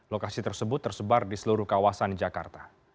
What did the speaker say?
lokasi tersebut tersebar di seluruh kawasan jakarta